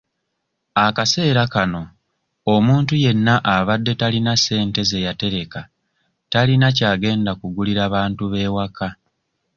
Akaseera kano omuntu yenna abadde talina ssente ze yatereka tayina ky'agenda gulira bantu b'ewaka.